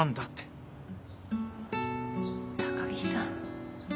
高木さん。